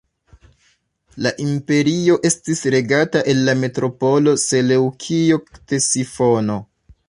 La imperio estis regata el la metropolo Seleŭkio-Ktesifono.